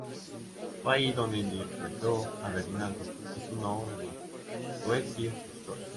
Fue ahí donde interpretó a "Bernardo" en una obra de "West Side Story".